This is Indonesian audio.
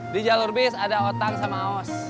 di jalur bis ada otang sama aos